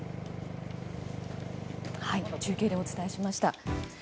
中継でお伝えしました。